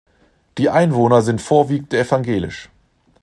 Die Einwohner sind vorwiegend evangelisch.